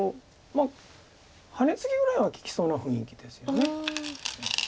まあハネツギぐらいは利きそうな雰囲気ですよね。